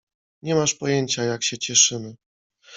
— Nie masz pojęcia, jak się cieszymy.